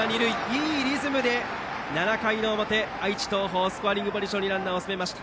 いいリズムで７回の表愛知・東邦がスコアリングポジションにランナーを進めました。